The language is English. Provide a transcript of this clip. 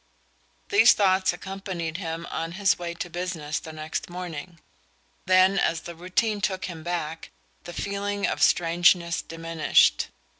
These thoughts accompanied him on his way to business the next morning. Then, as the routine took him back, the feeling of strangeness diminished.